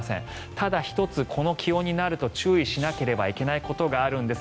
ただ、１つ、この気温になると注意しなければいけないことがあるんです。